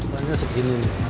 pokoknya segini nih